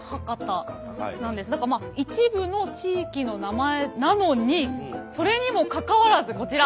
だからまあ一部の地域の名前なのにそれにもかかわらずこちら。